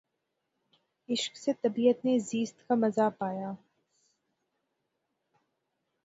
عشق سے طبیعت نے زیست کا مزا پایا